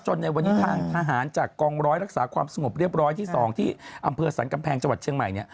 ในวันนี้ทางทหารจากกองร้อยรักษาความสงบเรียบร้อยที่๒ที่อำเภอสรรกำแพงจังหวัดเชียงใหม่เนี่ย